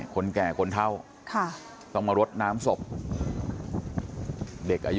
คนแก่คนเท่าต้องมารดน้ำศพเด็กอายุ